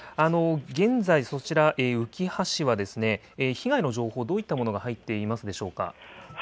現在、そちら、うきは市は被害の情報、どういったものが入っていますでしょうか。